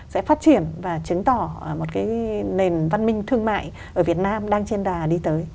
sẽ phát triển và chứng tỏ một cái nền văn minh thương mại ở việt nam đang trên đà đi tới